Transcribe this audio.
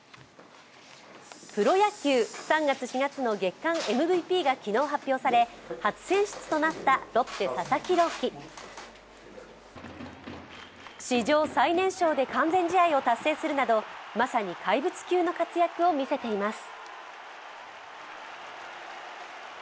プロ野球３月、４月の月間ＭＶＰが昨日発表され初選出となったロッテ・佐々木朗希史上最年少で完全試合を達成するなどまさに怪物級の活躍を見せています。